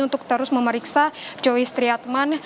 untuk terus memeriksa joyce triatman